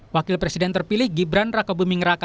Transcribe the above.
wakil presiden terpilih gibran raka buming raka